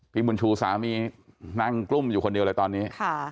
บุญชูสามีนั่งกลุ้มอยู่คนเดียวเลยตอนนี้